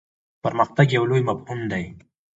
پرمختګ یو لوی مفهوم دی.